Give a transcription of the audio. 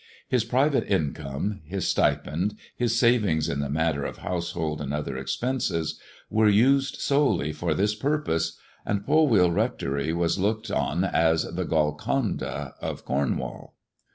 His private incomie, his stipend, his savings in the matter of household and other expenses, were used solely for this purpose, and Polwheal Rectory was looked on as the Golconda of Cornwall.